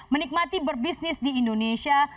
menikmati berbisnis di indonesia